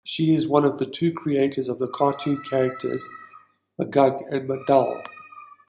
She is one of the two creators of the cartoon characters McMug and McDull.